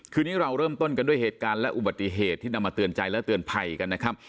นี้เราเริ่มต้นกันด้วยเหตุการณ์และอุบัติเหตุที่นำมาเตือนใจและเตือนภัยกันนะครับ